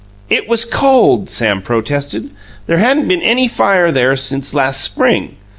"It was cold," Sam protested. "There hadn't been any fire there since last spring.